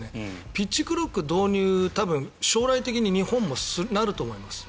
ピッチクロック導入多分、将来的に日本もなると思います。